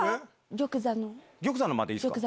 玉座の間でいいですか？